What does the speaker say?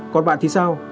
còn bạn thì sao